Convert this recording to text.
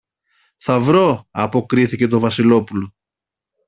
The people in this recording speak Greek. Θα βρω, αποκρίθηκε το Βασιλόπουλο.